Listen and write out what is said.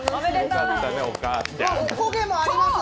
お焦げもあります。